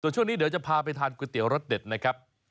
ช่วงนี้เดี๋ยวจะพาไปทานก๋วยเตี๋ยรสเด็ดนะครับ